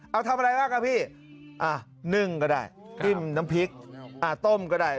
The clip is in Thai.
เอาทำอะไรล่ะครับพี่นึ่งก็ได้ต้มก็ได้